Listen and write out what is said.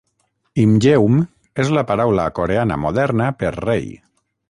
"Imgeum" és la paraula coreana moderna per "rei".